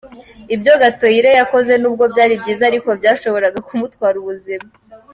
Ibyo Gatoyire yakoze nubwo byari byiza ariko byashoboraga kumutwara ubuzima.